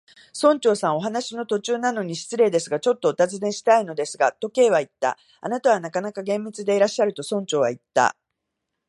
「村長さん、お話の途中なのに失礼ですが、ちょっとおたずねしたいのですが」と、Ｋ はいった。「あなたはなかなか厳密でいらっしゃる」と、村長はいった。